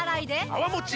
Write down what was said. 泡もち